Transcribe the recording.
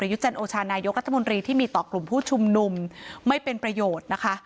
ยุจันโอชานายกรัฐมนตรีที่มีต่อกลุ่มผู้ชุมนุมไม่เป็นประโยชน์นะคะ